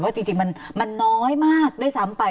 จริงมันน้อยมากด้วยซ้ำไป